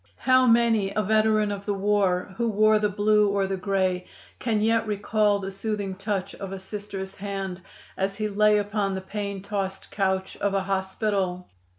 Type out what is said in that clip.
"How many a veteran of the war, who wore the Blue or the Gray, can yet recall the soothing touch of a Sister's hand as he lay upon the pain tossed couch of a hospital!